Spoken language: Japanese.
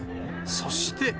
そして。